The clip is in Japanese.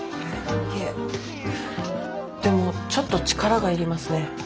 いえでもちょっと力がいりますね。